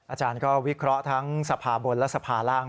อาจารย์ก็วิเคราะห์ทั้งสภาบนและสภาร่าง